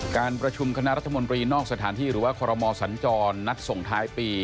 การประชุมคณะรัฐมนตรีนอกสถานที่หรือว่าคอรมอสัญจรนัดส่งท้ายปี